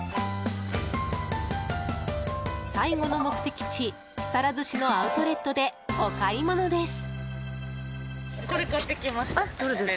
最後の目的地、木更津市のアウトレットでお買い物です。